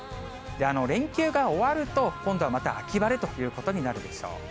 連休が終わると、今度はまた秋晴れということになるでしょう。